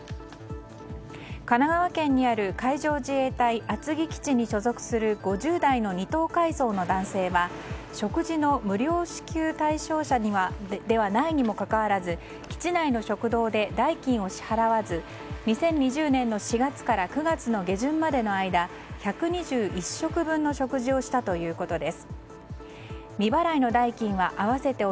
神奈川県にある海上自衛隊厚木基地に所属する５０代の２等海曹の男性は食事の無料支給対象者ではないにもかかわらず基地内の食堂で代金を支払わず２０２０年の４月から９月の下旬までの間１２１食分の食事をしたということです。